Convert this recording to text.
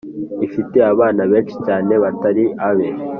afite abana benshi cyane batari abe.